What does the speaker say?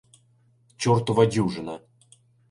Чортова дюжина